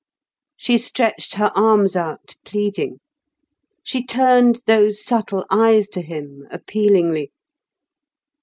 She stretched her arms out, pleading; she turned those subtle eyes to him, appealingly.